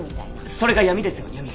それが闇ですよ闇。